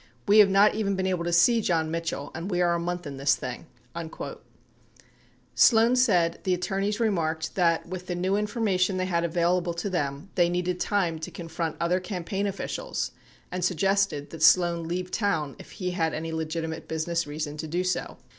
We have not even been able to see John Mitchell, and we are a month in this thing." 80 Sloan said the attorneys remarked that, with the new information they had available to them, they needed time to confront other cam paign officials and suggested that Sloan leave town if he had any legitimate business reason to do so.